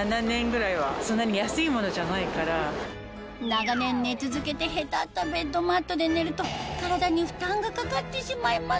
長年寝続けてへたったベッドマットで寝ると体に負担がかかってしまいます